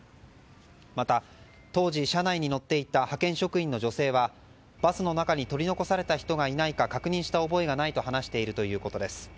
また、当時車内に乗っていた派遣社員の女性はバスの中に取り残された人がいないか確認した覚えがないと話しているということです。